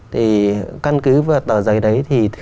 thì căn cứ vào tờ giấy đấy thì